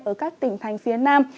ở các tỉnh thành phía nam